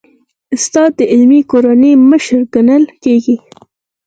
استاد د علمي کورنۍ مشر ګڼل کېږي.